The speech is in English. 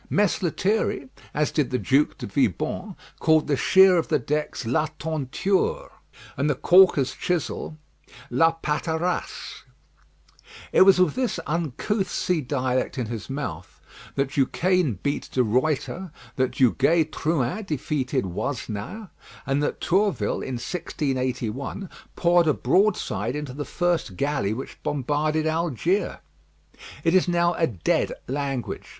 Mess Lethierry, as did the Duke de Vibonne, called the sheer of the decks la tonture, and the caulker's chisel la patarasse. It was with this uncouth sea dialect in his mouth that Duquesne beat De Ruyter, that Duguay Trouin defeated Wasnaer, and that Tourville, in 1681, poured a broadside into the first galley which bombarded Algiers. It is now a dead language.